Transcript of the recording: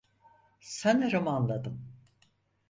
Sanırım anladım.